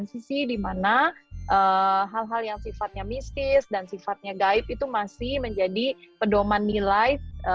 jadi bagian dari masyarakat transisi di mana hal hal yang sifatnya mistis dan sifatnya gaib itu masih menjadi pedoman nilai